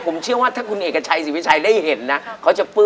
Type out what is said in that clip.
ผมเชื่อก่อนถ้าอักษัยสีวิชัยได้เห็นนะ